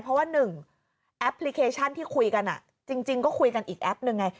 เพราะว่าหนึ่งแอปพลิเคชันที่คุยกันจริงก็คุยกันอีกแอปหนึ่งไง